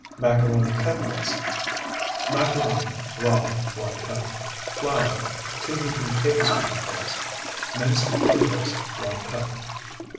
MACARONI CUTLETS Macaroni, raw, 1 cup. Flour, 2 heaping tablespoonfuls. Minced protose, 1 cup.